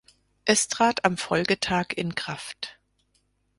Es trat am Folgetag in Kraft.